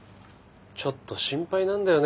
ちょっと心配なんだよね